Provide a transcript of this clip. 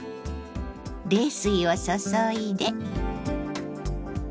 冷水を注いで。